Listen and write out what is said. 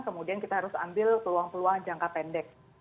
kemudian kita harus ambil peluang peluang jangka pendek